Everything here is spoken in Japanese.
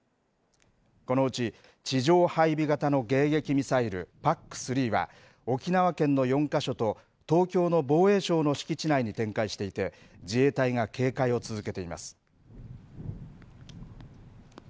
このうち、地上配備型の迎撃ミサイル、ＰＡＣ３は、沖縄県の４か所と東京の防衛省の敷地内に展開していて、自衛隊が警戒を続けています。